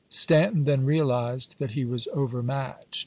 " Stanton then realized that he was overmatched.